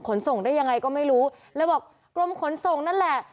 ขนส่งได้ยังไงก็ไม่รู้แล้วบอกกรมขนส่งนั่นแหละ